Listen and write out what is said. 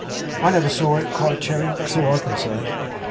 'I never saw it!' cried Cherry; 'that's all I can say.